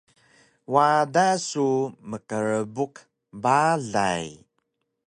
Wada su mkrbuk balay!